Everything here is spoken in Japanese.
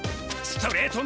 ストレート